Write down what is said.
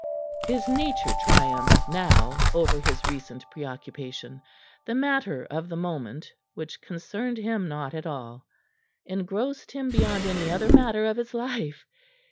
His nature triumphed now over his recent preoccupation; the matter of the moment, which concerned him not at all, engrossed him beyond any other matter of his life.